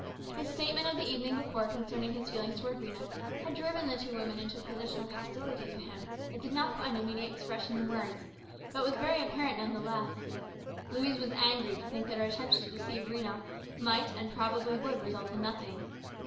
His statement of the evening before concerning his feelings towards Rhena had driven the two women into a position of hostility to him that did not find immediate expression in words, but was very apparent none the less. Louise was angry to think that her attempts to deceive Rhena might and probably would result in nothing.